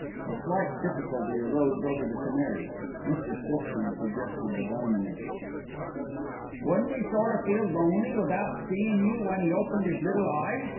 A slight difficulty arose over the canary, Mr. Stiffson suggested the dining room. "Wouldn't 'e sort o' feel lonely without seein' you when 'e opened 'is little eyes?"